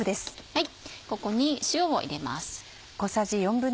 ここに塩を入れます。